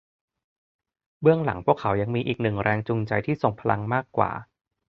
เบื้องหลังพวกเขายังมีอีกหนึ่งแรงจูงใจที่ทรงพลังมากกว่า